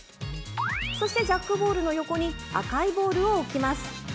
そして、ジャックボールの横に赤いボールを置きます。